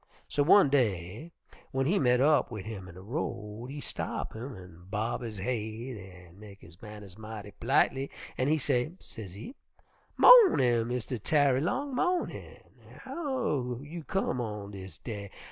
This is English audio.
So one day w'en he met up wid him in de road he stop him an' bob his haid an' mek his manners mighty p'litely, an' he say, sezee, 'Mawnin', Mistah Tarry long, mawnin'. How you come on dis day?